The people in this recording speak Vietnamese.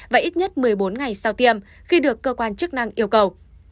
và ít nhất một mươi bốn ngày sau tiêm khi được cơ quan chức năng yêu cầu